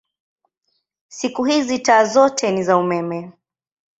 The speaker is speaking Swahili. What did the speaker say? Siku hizi taa zote ni za umeme.